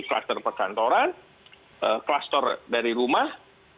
kluster perkantoran kluster dari rumah